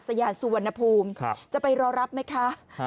ยานสุวรรณภูมิจะไปรอรับไหมคะ